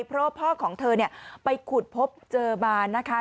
เพราะพ่อของเธอเนี่ยไปขุดพบเจอมานะคะ